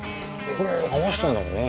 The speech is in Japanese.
これ合わしたんだろうね。